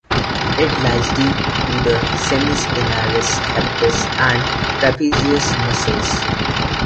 It lies deep to the semispinalis capitis and trapezius muscles.